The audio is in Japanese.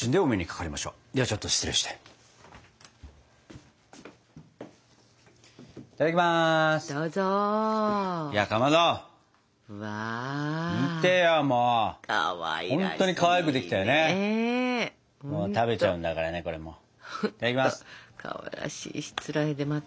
かわいらしいしつらえでまた。